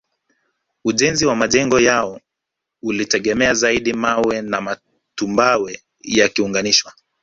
Ujenzi wa majengo yao ulitegemea zaidi mawe na matumbawe yakiunganishwa